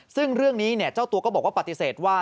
ซึ่งเรื่องนี้เจ้าตัวก็บอกว่าปฏิเสธว่า